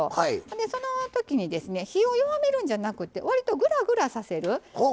そのときに火を弱めるんじゃなくてわりと、ぐらぐらさせる。